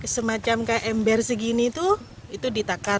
semacam kayak ember segini itu itu ditakar